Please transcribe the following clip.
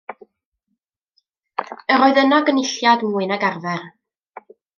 Yr oedd yno gynulliad mwy nag arfer.